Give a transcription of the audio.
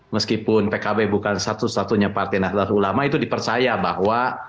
meskipun pkb bukan satu satunya partai nahdlatul ulama itu dipercaya bahwa